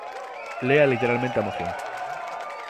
Lea literalmente a moción.